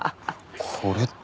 これって。